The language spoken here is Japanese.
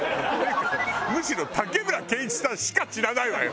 むしろ竹村健一さんしか知らないわよ！